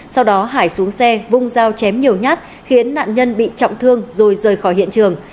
sau đó hải xuống xe vung dao chém nhiều nhát khiến nạn nhân bị trọng thương rồi rời khỏi hiện trường